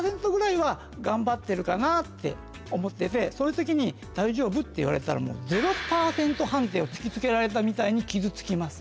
かなって思っててそういう時に「大丈夫？」って言われたらもう０％判定を突き付けられたみたいに傷つきます。